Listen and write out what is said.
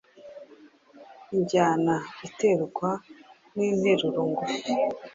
injyana iterwa n’interuro ngufi